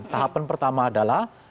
tahapan pertama adalah